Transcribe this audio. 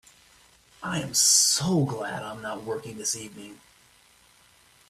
I'm so glad I'm not working this evening!